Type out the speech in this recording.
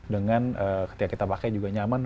dengan ketika kita pakai juga nyaman